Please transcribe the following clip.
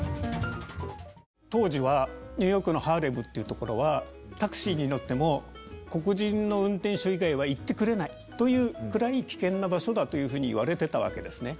当時はニューヨークのハーレムっていうところはタクシーに乗っても黒人の運転手以外は行ってくれないというくらい危険な場所だというふうに言われてたわけですね。